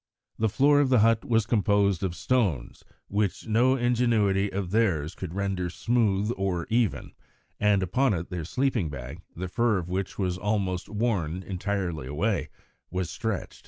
The floor of the hut was composed of stones which no ingenuity of theirs could render smooth or even, and upon it their sleeping bag, the fur of which was almost worn entirely away, was stretched.